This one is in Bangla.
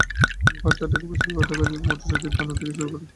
গ্রহ চারটেকেও পরিষ্কার দেখা যাচ্ছে—মটরশুঁটির দানা থেকে শুরু করে আঙুর আকৃতির।